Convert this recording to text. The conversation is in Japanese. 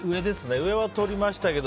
上はとりましたけど。